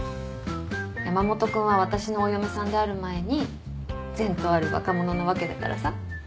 山本君は私のお嫁さんである前に前途ある若者なわけだからさ。